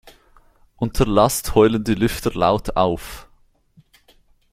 Unter Last heulen die Lüfter laut auf.